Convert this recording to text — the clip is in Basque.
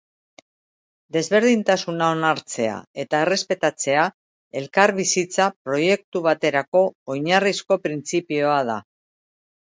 Desberdintasuna onartzea eta errespetatzea elkarbizitza proiektu baterako oinarrizko printzipioa da.